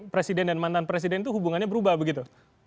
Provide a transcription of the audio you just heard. presiden dan mantan presiden itu hubungannya berubah begitu